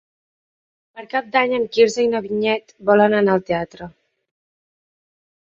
Per Cap d'Any en Quirze i na Vinyet volen anar al teatre.